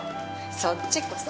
そっちこそ。